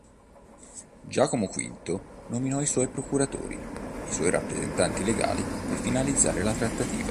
Giacomo V nominò i suoi "procuratori", i suoi rappresentanti legali per finalizzare la trattativa.